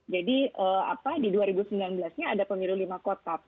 jadi di dua ribu sembilan belas nya ada pemilu lima kotak